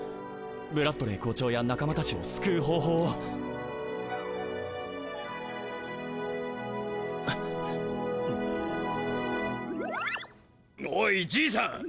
ブラッドレー校長や仲間たちを救う方法をおいじいさん！